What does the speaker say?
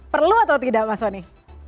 perlu atau tidak mas soni